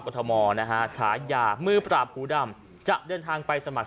ทมนะฮะฉายามือปราบหูดำจะเดินทางไปสมัคร